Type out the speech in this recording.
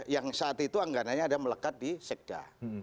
yang saat itu anggaranya ada melekat di sekda